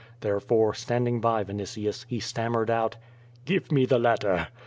Therefore, standing by Vinitius, he stammered out: "Give me the letter."